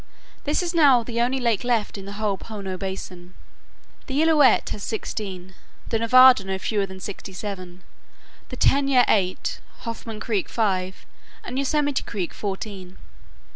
This is now the only lake left in the whole Pohono Basin. The Illilouette has sixteen, the Nevada no fewer than sixty seven, the Tenaya eight, Hoffmann Creek five, and Yosemite Creek fourteen.